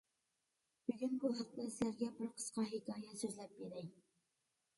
بۈگۈن بۇ ھەقتە سىلەرگە بىر قىسقا ھېكايە سۆزلەپ بېرەي.